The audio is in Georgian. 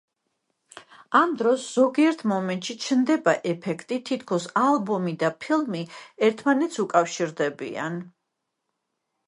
ამ დროს ზოგიერთ მომენტში ჩნდება ეფექტი, თითქოს ალბომი და ფილმი ერთმანეთს უკავშირდებიან.